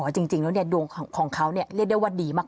จริงแล้วดวงของเขาเรียกได้ว่าดีมาก